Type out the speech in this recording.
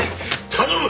頼む！